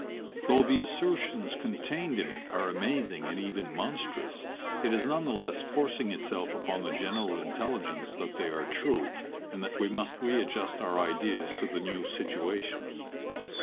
Though the assertions contained in it are amazing and even monstrous, it is none the less forcing itself upon the general intelligence that they are true, and that we must readjust our ideas to the new situation.